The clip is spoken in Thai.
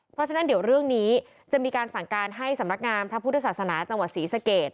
เพราะฉะนั้นเดี๋ยวเรื่องนี้จะมีการสั่งการให้สำนักงานพระพุทธศาสนาจังหวัดศรีสเกต